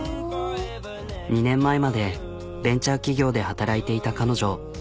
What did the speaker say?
２年前までベンチャー企業で働いていた彼女。